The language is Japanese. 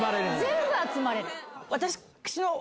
全部集まれる。